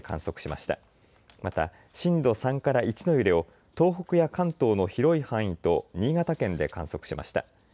また震度３から１の揺れを東北や関東の広い範囲と新潟県で観測しました。